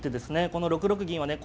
この６六銀はね